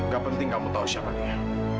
gak penting kamu tahu siapa dia